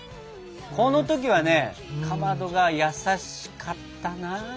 この時はねかまどが優しかったなあ！